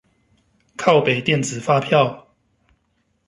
靠北電子發票